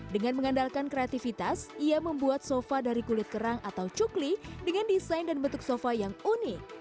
dengan mengandalkan kreativitas ia membuat sofa dari kulit kerang atau cukli dengan desain dan bentuk sofa yang unik